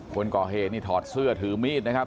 คนก่อเหตุนี่ถอดเสื้อถือมีดนะครับ